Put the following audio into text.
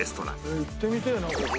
「行ってみてえなここ」